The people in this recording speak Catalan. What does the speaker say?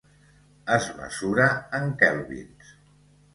Es mesura en kèlvins.